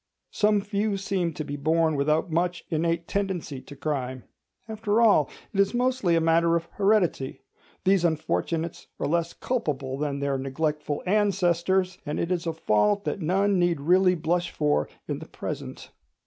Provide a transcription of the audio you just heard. Some few seem to be born without much innate tendency to crime. After all, it is mostly a matter of heredity; these unfortunates are less culpable than their neglectful ancestors; and it is a fault that none need really blush for in the present.